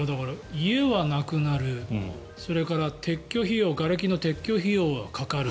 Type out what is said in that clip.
家はなくなる、それからがれきの撤去費用はかかる。